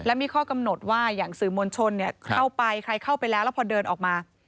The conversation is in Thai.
และมีข้อกำหนดว่าอย่างสื่อมวลชนเข้าไปใครเข้าไปแล้วแล้วพอเดินออกมา